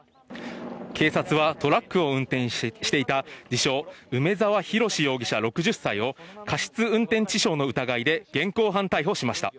警察は、トラックを運転していた自称、梅沢洋容疑者６０歳を、過失運転致傷の疑いで現行犯逮捕しました。